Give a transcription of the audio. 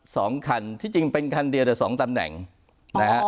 สองคันที่จริงเป็นคันเดียวแต่สองตำแหน่งนะฮะ